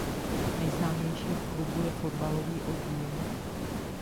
Nejznámějším v klubu je fotbalový oddíl.